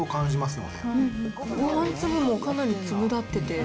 ごはん粒もかなり粒だってて。